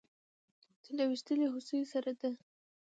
چې له ويشتلې هوسۍ سره د